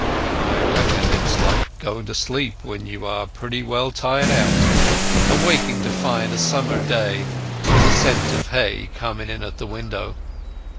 "I reckon it's like going to sleep when you are pretty well tired out, and waking to find a summer day with the scent of hay coming in at the window.